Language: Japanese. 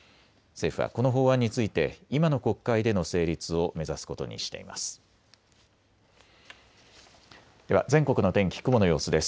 政府はこの法案について今の国会での成立を目指すことにしています。